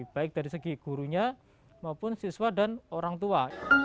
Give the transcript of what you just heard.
baik dari segi gurunya maupun siswa dan orang tua